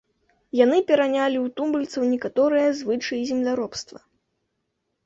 Яны перанялі ў тубыльцаў некаторыя звычаі земляробства.